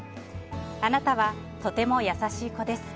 あなたは、とても優しい子です。